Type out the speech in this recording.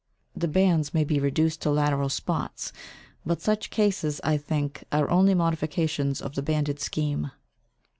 The bands may be reduced to lateral spots, but such cases, I think, are only modifications of the banded scheme.